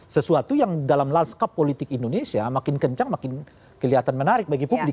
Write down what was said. sesuatu yang dalam lanskap politik indonesia makin kencang makin kelihatan menarik bagi publik